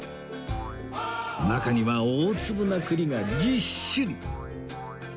中には大粒な栗がぎっしり